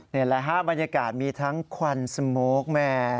นี่เห็นไหม๕บรรยากาศมีทั้งขวันสโมคแมน